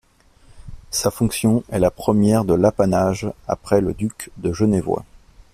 Sa fonction est la première de l'apanage après le duc de Genevois.